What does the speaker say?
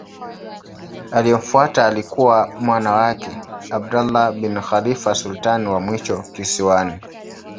Aliyemfuata alikuwa mwana wake Abdullah bin Khalifa sultani wa mwisho kisiwani.